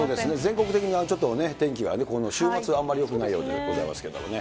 全国的にちょっとね、天気が週末あんまりよくないようでございますけれどもね。